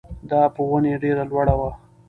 دا په ونې ډېره لوړه وه.